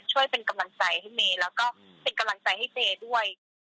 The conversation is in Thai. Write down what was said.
ช่วยเป็นกำลังใจให้เมย์แล้วก็เป็นกำลังใจให้เจด้วย